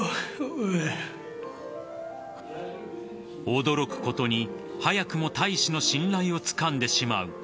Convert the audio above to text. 驚くことに早くも大使の信頼をつかんでしまう。